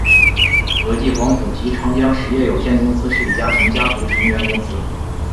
和记黄埔及长江实业有限公司是李嘉诚家族成员公司。